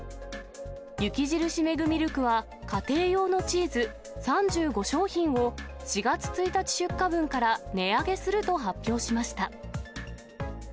雪印メグミルクは、家庭用のチーズ３５商品を、４月１日出荷分から値上げすると発表しました。